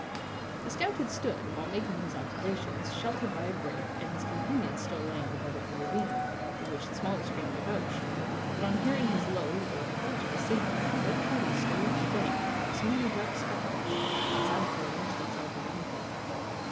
The scout had stood, while making his observations, sheltered by a brake, and his companions still lay in the bed of the ravine, through which the smaller stream debouched; but on hearing his low, though intelligible, signal the whole party stole up the bank, like so many dark specters, and silently arranged themselves around him.